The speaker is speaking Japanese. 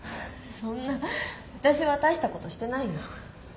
そんな私は大したことしてないよ。